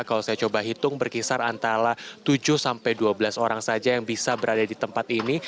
kalau saya coba hitung berkisar antara tujuh sampai dua belas orang saja yang bisa berada di tempat ini